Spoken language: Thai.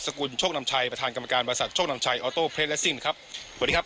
กุลโชคนำชัยประธานกรรมการบริษัทโชคนำชัยออโต้เพลตและซิ่งครับสวัสดีครับ